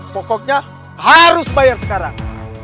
pokoknya harus bayar sekarang